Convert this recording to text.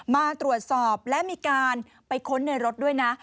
มาตรวจสอบและมีการไปค้นในรถด้วยนะ